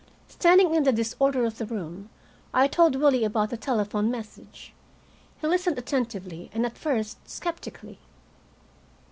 Standing in the disorder of the room, I told Willie about the telephone message. He listened attentively, and at first skeptically.